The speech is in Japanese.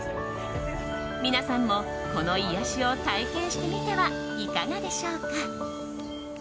皆さんもこの癒やしを体験してみてはいかがでしょうか。